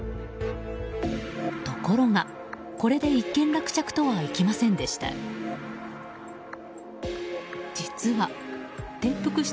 ところが、これで一件落着とはいきませんでした。